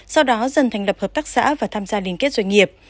sau đó dần thành lập hợp tác xã và tham gia liên kết doanh nghiệp